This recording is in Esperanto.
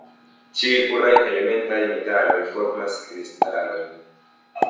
Ĉiuj puraj elementaj metaloj formas kristalojn.